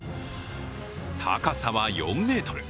高さは４ｍ。